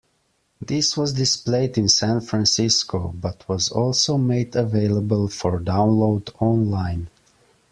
This was displayed in San Francisco, but was also made available for download online.